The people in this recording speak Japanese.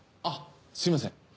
あっすみません。